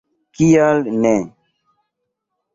Kial ne!